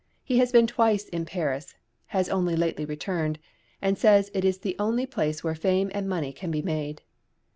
He has been twice in Paris (has only lately returned), and says it is the only place where fame and money can be made.